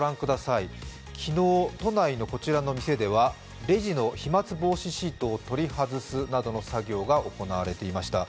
昨日、都内のこちらの店ではレジの飛まつ防止シートを取り外すなどの作業が行われていました。